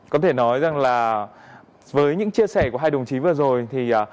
có thể nói rằng là với những chia sẻ của hai đồng chí vừa rồi thì